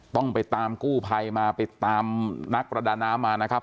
ต้องไปตามกู้ภัยมาไปตามนักประดาน้ำมานะครับ